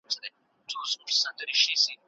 تاریخي حقایق د څېړنې په رڼا کې ښکاري.